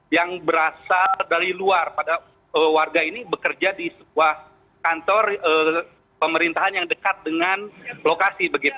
yang berasal dari luar pada warga ini bekerja di sebuah kantor pemerintahan yang dekat dengan lokasi